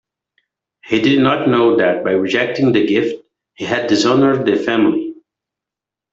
He did not know that by rejecting the gift, it had dishonoured the family.